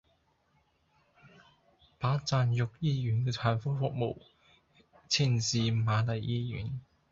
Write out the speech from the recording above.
把贊育醫院的產科服務遷至瑪麗醫院